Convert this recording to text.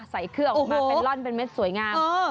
ใส่เครื่องออกมาเป็นร่อนเป็นเม็ดสวยงาม